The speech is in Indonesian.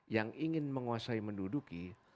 yang ingin menguasai menduduki